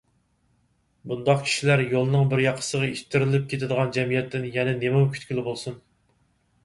بۇنداق كىشىلەر يولنىڭ بىر ياقىسىغا ئىتتىرىلىپ كىتىدىغان جەمئىيەتتىن يەنە نېمىمۇ كۈتكىلى بولسۇن!